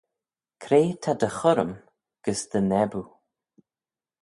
Cre ta dty churrym gys dty naboo?